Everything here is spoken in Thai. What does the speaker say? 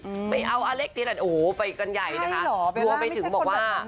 อืมไปเอาอเล็กเตียนโอ้โหไปกันใหญ่นะคะใช่หรอเบลล่าไม่ใช่คนแบบฝนา